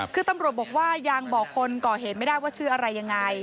คือตำรวจบอกว่ายังบอกคนก่อเหตุไม่ได้ว่าชื่ออะไรยังไง